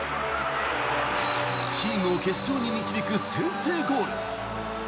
チームを決勝に導く先制ゴール。